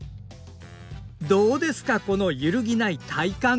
どうですかこの揺るぎない体幹。